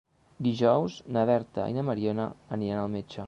Dijous na Berta i na Mariona aniran al metge.